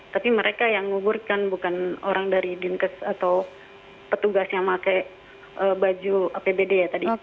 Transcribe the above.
tapi mereka yang menguburkan bukan orang dari dinkes atau petugas yang pakai baju apbd ya tadi